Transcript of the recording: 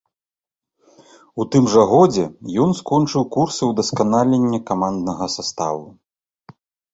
У тым жа годзе ён скончыў курсы ўдасканалення каманднага саставу.